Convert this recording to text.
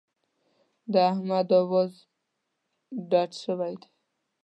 د احمد اواز ډډ شوی دی.